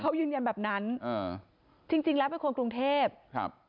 เขายืนยันแบบนั้นอ่าจริงจริงแล้วเป็นคนกรุงเทพครับ